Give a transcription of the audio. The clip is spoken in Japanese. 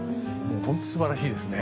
本当すばらしいですね。